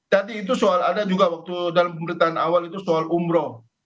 tadi itu soal ada juga waktu dalam pemberitaan awal itu soal umroh